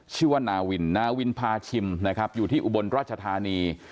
ชื่อว่านาวินนาวินพาชิมนะครับอยู่ที่อุบลราชธานี